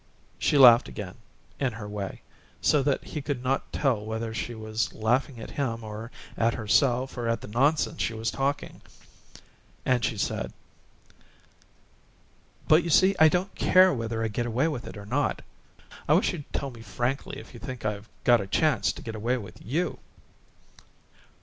She laughed again in her way, so that he could not tell whether she was laughing at him or at herself or at the nonsense she was talking; and she said: "But you see I don't care whether I get away with it or not. I wish you'd tell me frankly if you think I've got a chance to get away with YOU?"